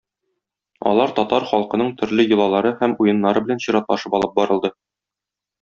Алар татар халкының төрле йолалары һәм уеннары белән чиратлашып алып барылды.